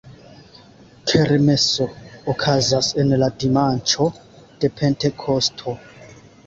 Kermeso okazas en la dimanĉo de Pentekosto.